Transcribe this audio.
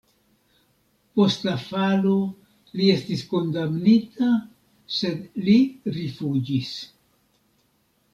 Post la falo li estis kondamnita, sed li rifuĝis.